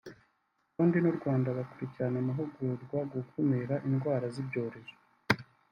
Burundi n’u Rwanda bakurikirana amahugurwa ku gukumira indwara z’ibyorezo